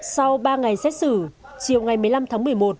sau ba ngày xét xử chiều ngày một mươi năm tháng một mươi một